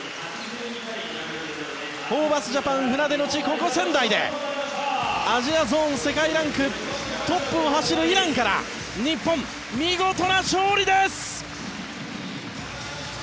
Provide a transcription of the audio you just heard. ホーバスジャパン船出の地、ここ仙台でアジアゾーン世界ランクトップを走るイランから日本、見事な勝利です！